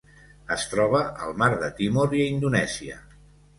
Es troba al Mar de Timor i a Indonèsia.